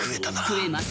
食えます。